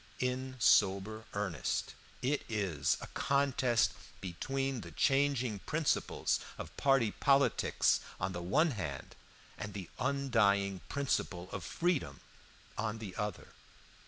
In sober earnest, it is a contest between the changing principles of party politics on the one hand and the undying principle of freedom on the other.